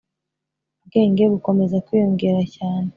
Ubwenge bukomeza kwiyongera cyane